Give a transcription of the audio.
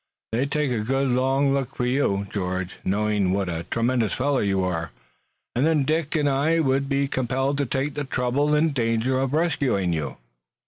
"They'd take a good long look for you, George, knowing what a tremendous fellow you are, and then Dick and I would be compelled to take the trouble and danger of rescuing you."